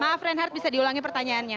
maaf reinhardt bisa diulangi pertanyaannya